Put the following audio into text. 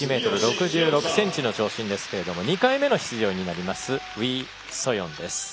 １ｍ６６ｃｍの長身ですが２回目の出場になりますウィ・ソヨン。